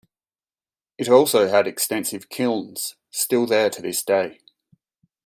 It also had extensive kilns, still there to this day.